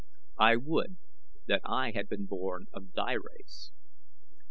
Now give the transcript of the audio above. I would that I had been born of thy race."